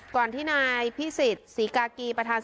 ก่อนที่นายพี่ศรีษรีกากรีบุฎา